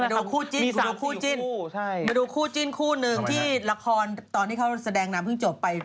เดี๋ยวมาดูคู่จิ้นคู่หนึ่งที่ตอนที่เขาแสดงน้ำเพิ่งจบไป